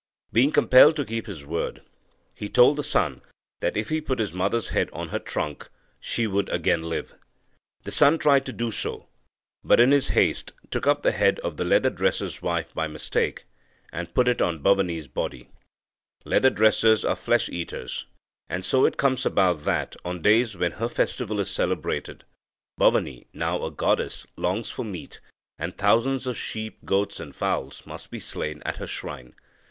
Being compelled to keep his word, he told the son that, if he put his mother's head on her trunk, she would again live. The son tried to do so, but in his haste took up the head of the leather dresser's wife by mistake, and put it on Bavani's body. Leather dressers are flesh eaters, and so it comes about that, on days when her festival is celebrated, Bavani now a goddess longs for meat, and thousands of sheep, goats, and fowls, must be slain at her shrine.